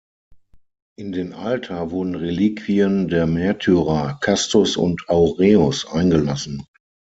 In den Altar wurden Reliquien der Märtyrer Castus und Aureus eingelassen.